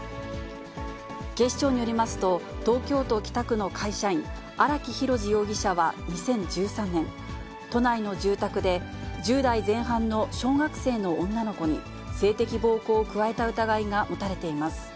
警視庁によりますと、東京都北区の会社員、荒木博路容疑者は２０１３年、都内の住宅で１０代前半の小学生の女の子に、性的暴行を加えた疑いが持たれています。